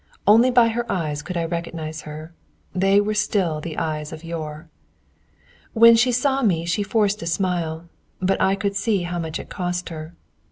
Only by her eyes could I recognise her: they were still the eyes of yore. When she saw me she forced a smile, but I could see how much it cost her.